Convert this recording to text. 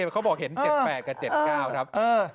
เขาบอกเห็น๗๘กับ๗๙ครับ